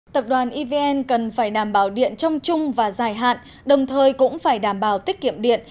tập đoàn evn cần phải đảm bảo điện trong chung và dài hạn đồng thời cũng phải đảm bảo tiết kiệm điện